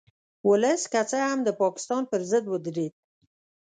ولس که څه هم د پاکستان په ضد ودرید